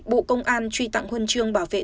bộ công an truy tặng huân trương bảo vệ